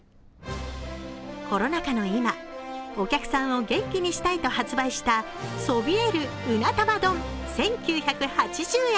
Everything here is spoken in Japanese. コロナ禍の今、お客さんを元気にしたいと発売したそびえる鰻玉丼１９８０円。